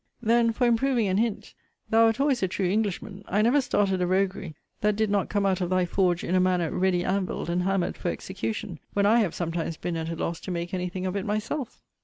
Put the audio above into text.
Then for improving an hint, thou wert always a true Englishman. I never started a roguery, that did not come out of thy forge in a manner ready anvilled and hammered for execution, when I have sometimes been at a loss to make any thing of it myself.